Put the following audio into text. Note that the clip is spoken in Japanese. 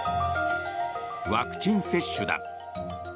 ワクチン接種だ。